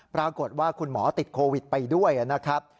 ปรากฏว่าคุณหมอติดโควิดไปด้วยนะครับ